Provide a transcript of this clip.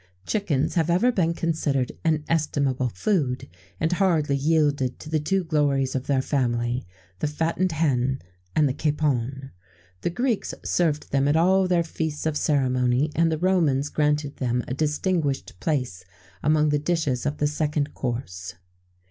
Chickens have ever been considered an estimable food, and hardly yielded to the two glories of their family the fattened hen and the capon.[XVII 31] The Greeks served them at all their feasts of ceremony, and the Romans granted them a distinguished place among the dishes of the second course.